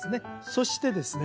そしてですね